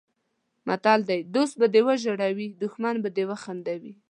متل دی: دوست به دې وژړوي دښمن به دې وخندوي.